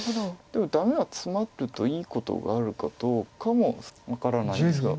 でもダメがツマるといいことがあるかどうかも分からないんですが。